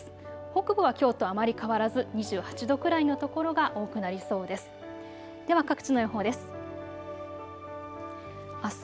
北部はきょうとあまり変わらず２８度くらいの所が多くなりそうです。